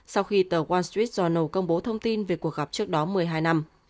sau khi tờ wal street journal công bố thông tin về cuộc gặp trước đó một mươi hai năm